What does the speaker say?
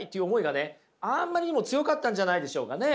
あんまりにも強かったんじゃないんでしょうかね。